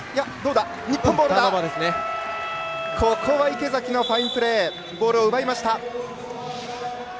ここは池崎のファインプレーでボールを奪いました。